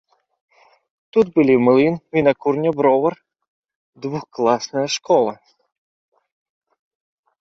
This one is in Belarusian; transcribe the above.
Тут былі млын, вінакурня, бровар, двухкласная школа.